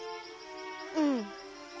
うん。